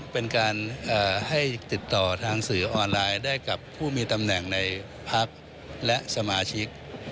เป็นการให้ติดต่อทางสื่อออนไลน์ได้กับผู้มีตำแหน่งในพักและสมาชิก